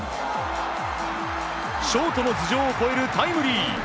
ショートの頭上を越えるタイムリー。